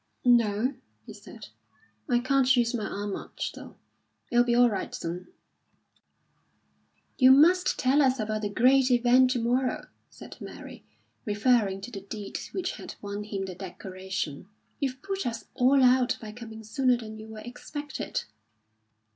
"No," he said, "I can't use my arm much, though. It'll be all right soon." "You must tell us about the great event to morrow," said Mary, referring to the deed which had won him the decoration. "You've put us all out by coming sooner than you were expected."